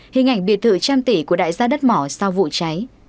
hình ảnh biệt thự trăm tỷ của đại gia đất mỏ sau vụ cháy